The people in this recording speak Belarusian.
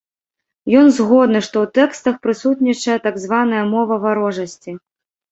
Ён згодны, што ў тэкстах прысутнічае так званая мова варожасці.